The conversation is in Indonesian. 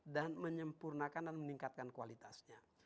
dan menyempurnakan dan meningkatkan kualitasnya